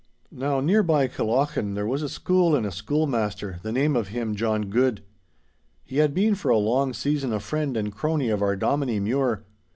Now near by Killochan there was a school and a schoolmaster, the name of him John Guid. He had been for a long season a friend and crony of our Dominie Mure.